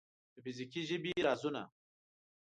د فزیکي ژبې رازونه